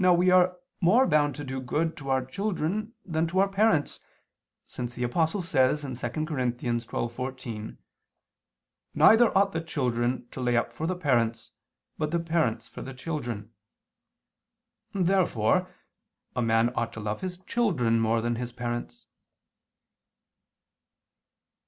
Now we are more bound to do good to our children than to our parents, since the Apostle says (2 Cor. 12:14): "Neither ought the children to lay up for the parents, but the parents for the children." Therefore a man ought to love his children more than his parents.